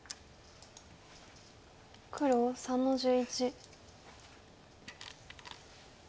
黒３の十一。